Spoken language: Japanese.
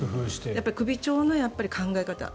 首長の考え方